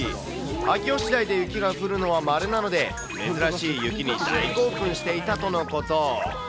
秋吉台で雪が降るのはまれなので、珍しい雪に大興奮していたとのこと。